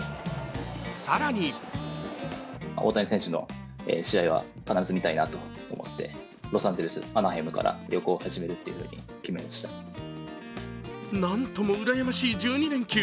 更になんともうらやましい１２連休。